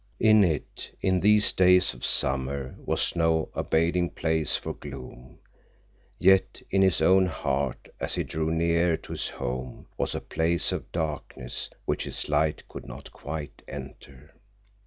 In it, in these days of summer, was no abiding place for gloom; yet in his own heart, as he drew nearer to his home, was a place of darkness which its light could not quite enter.